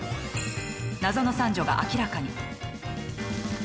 謎の三女が明らかに。